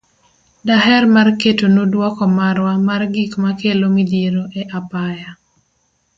Daher mar ketonu duoko marwa mar gik makelo midhiero e apaya.